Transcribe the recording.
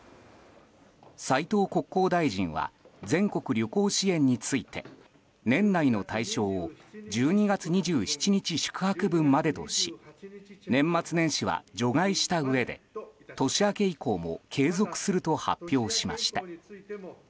斉藤国交大臣は全国旅行支援について年内の対象を１２月２７日宿泊分までとし年末年始は除外したうえで年明け以降も継続すると発表しました。